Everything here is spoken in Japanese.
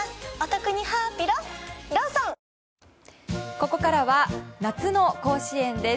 ここからは夏の甲子園です。